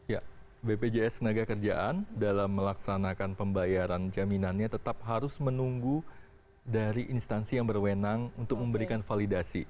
ya bpjs tenaga kerjaan dalam melaksanakan pembayaran jaminannya tetap harus menunggu dari instansi yang berwenang untuk memberikan validasi